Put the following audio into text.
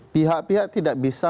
pihak pihak tidak bisa